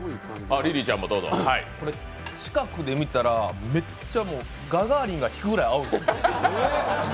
これ、近くで見たらめっちゃ、もうガガーリンが引くぐらい青いです。